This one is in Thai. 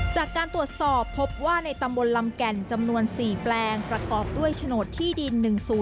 จากการตรวจสอบพบว่าในตำบลลำแก่นจำนวน๔แปลงประกอบด้วยโฉนดที่ดิน๑๐๔